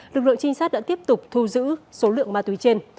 lực lượng trinh sát đã tiếp tục thu giữ số lượng ma túy trên